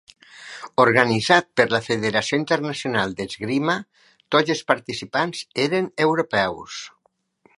Organitzat per la Federació Internacional d'Esgrima, tots els participants eren europeus.